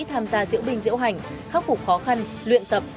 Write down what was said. tham gia diễu binh diễu hành khắc phục khó khăn luyện tập